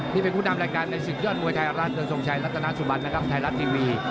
ที่เป็นผู้นำรายการในศึกยอดมวยไทยรัฐโดยทรงชัยรัฐนาสุบันนะครับไทยรัฐทีวี